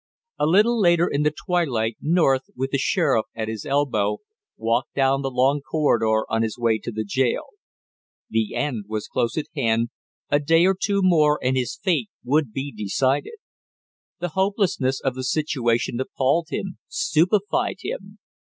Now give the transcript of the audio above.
A little later in the twilight North, with the sheriff at his elbow, walked down the long corridor on his way to the jail. The end was close at hand, a day or two more and his fate would be decided. The hopelessness of the situation appalled him, stupified him.